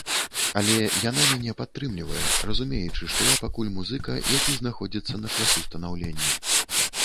Але яна мяне падтрымлівае, разумеючы, што я пакуль музыка, які знаходзіцца на шляху станаўлення.